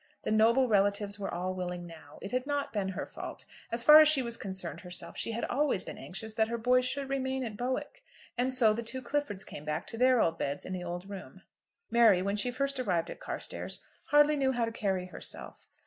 The noble relatives were all willing now. It had not been her fault. As far as she was concerned herself she had always been anxious that her boys should remain at Bowick. And so the two Cliffords came back to their old beds in the old room. Mary, when she first arrived at Carstairs, hardly knew how to carry herself.